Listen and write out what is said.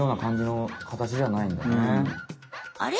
あれ？